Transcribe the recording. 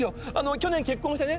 去年結婚してね